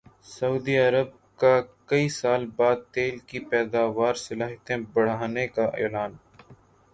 سعودی عرب کا کئی سال بعد تیل کی پیداواری صلاحیت بڑھانے کا اعلان